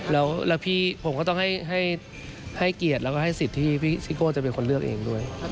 แล้วพี่ผมก็ต้องให้เกียรติแล้วก็ให้สิทธิ์ที่พี่ซิโก้จะเป็นคนเลือกเองด้วย